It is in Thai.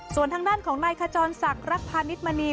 ส่วนทางด้านของนายขจรศักดิ์รักพาณิชมณี